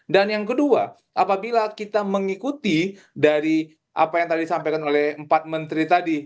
dan yang kedua apabila kita mengikuti dari apa yang tadi disampaikan oleh empat menteri tadi